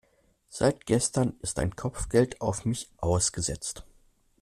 Seit gestern ist ein Kopfgeld auf mich ausgesetzt.